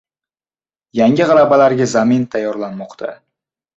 Yangi g‘alabalarga zamin tayyorlanmoqda